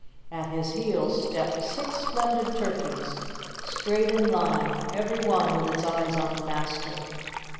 At his heels stepped six splendid turkeys, straight in line, every one with its eyes on the master.